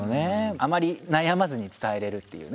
あまり悩まずに伝えれるっていうね